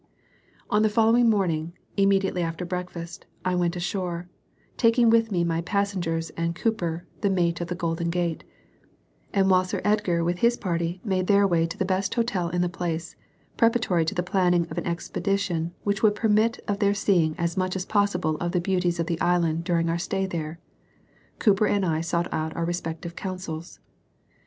On the following morning, immediately after breakfast, I went ashore, taking with me my passengers and Cooper, the mate of the Golden Gate; and while Sir Edgar with his party made their way to the best hotel in the place, preparatory to the planning of an expedition which would permit of their seeing as much as possible of the beauties of the island during our stay there, Cooper and I sought out our respective consuls.